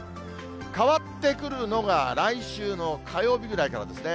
変わってくるのが来週の火曜日ぐらいですからね。